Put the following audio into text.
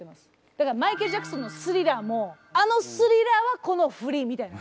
だからマイケル・ジャクソンの「スリラー」もあの「スリラー」はこの振りみたいな。